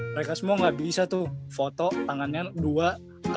mereka semua gak bisa tuh foto tangannya dua kakinya ngenka